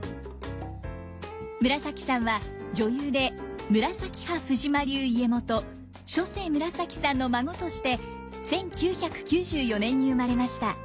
紫さんは女優で紫派藤間流家元初世紫さんの孫として１９９４年に生まれました。